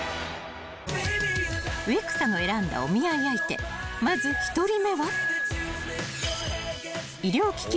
［植草の選んだお見合い相手まず１人目は］